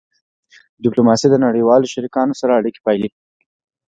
ډیپلوماسي د نړیوالو شریکانو سره اړیکې پالي.